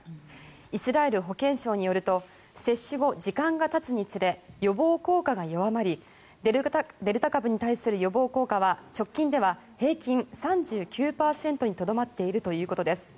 イスラエル保健省によると接種後、時間がたつにつれ予防効果が弱まりデルタ株に対する予防効果は直近では平均３９％にとどまっているということです。